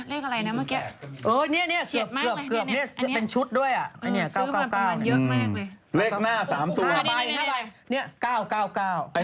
เลขอะไรนะเมื่อกี๊